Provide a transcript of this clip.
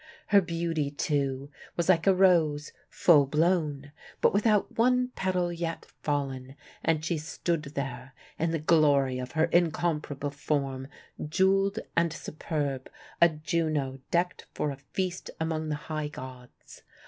Her beauty, too, was like a rose, full blown, but without one petal yet fallen: and she stood there, in the glory of her incomparable form, jeweled and superb, a Juno decked for a feast among the high gods.